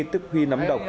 tức huy nấm độc